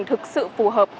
thực sự phù hợp